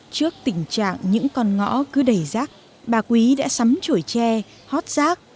trước tình trạng những con ngõ cứ đầy rác bà quý đã sắm trổi tre hót rác